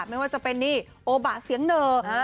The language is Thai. ไม่ว่าจะเป็นนี่โอบะเสียงเหน่อ